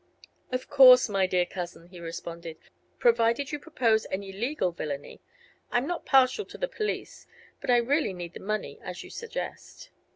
"Of course, my dear cousin," he responded; "provided you propose any legal villainy. I'm not partial to the police; but I really need the money, as you suggest."